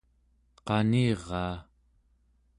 qaniraa